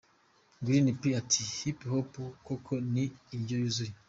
Green P ati " Hip Hop koko ni indyo yuzuye.